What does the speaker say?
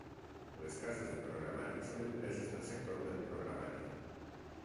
Les cases de programari són empreses del sector del programari.